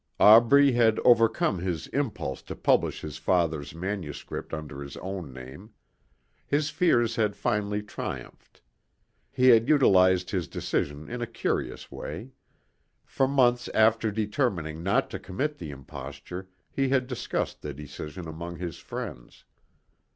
Aubrey had overcome his impulse to publish his father's manuscript under his own name. His fears had finally triumphed. He had utilized his decision in a curious way. For months after determining not to commit the imposture he had discussed the decision among his friends.